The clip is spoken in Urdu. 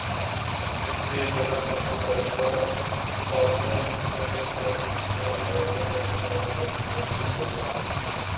اس کے برعکس اپنا فیصلہ صادر کریں تو اس سے عدالتوں کا وقار مجروح ہوتا ہے